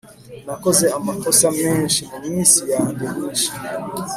nakoze amakosa menshi muminsi yanjye myinshi